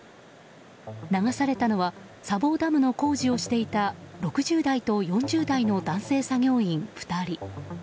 流されたのは砂防ダムの工事をしていた６０代と４０代の男性作業員２人。